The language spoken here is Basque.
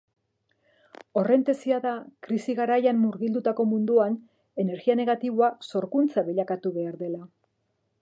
Horren tesia da krisi-garaian murgildutako munduan energia negatiboa sorkuntza bilakatu behar dela.